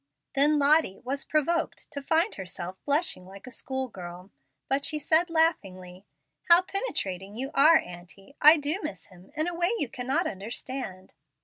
Then Lottie was provoked to find herself blushing like a school girl, but she said, laughingly, "How penetrating you are, auntie. I do miss him, in a way you cannot understand."